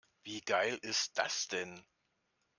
Wie geil ist das denn?